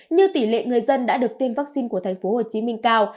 như tỷ lệ người dân đã được tiêm vaccine của tp hcm cao